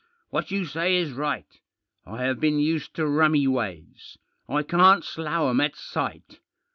What you say is right. I have been used to rummy ways. I can't slough 'em at sight.